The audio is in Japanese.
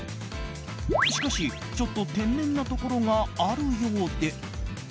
しかし、ちょっと天然なところがあるようで。